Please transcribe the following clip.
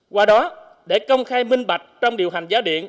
qua đó để công khai minh bạch trong điều hành giá điện